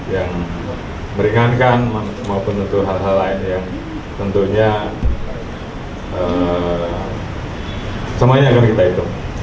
yang meringankan maupun untuk hal hal lain yang tentunya semuanya akan kita hitung